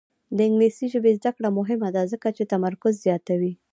د انګلیسي ژبې زده کړه مهمه ده ځکه چې تمرکز زیاتوي.